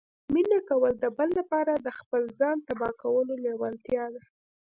مینه کول د بل لپاره د خپل ځان تباه کولو لیوالتیا ده